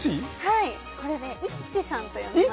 これね、イッチさんと読みます。